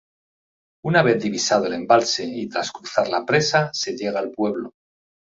Una vez divisado el embalse y tras cruzar la presa se llega al pueblo.